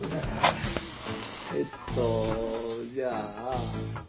えっとじゃあ。